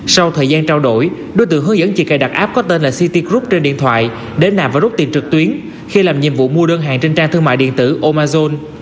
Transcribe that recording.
sau thời gian trao đổi đối tượng hướng dẫn chị cài đặt app có tên là city group trên điện thoại để nạp và rút tiền trực tuyến khi làm nhiệm vụ mua đơn hàng trên trang thương mại điện tử omazon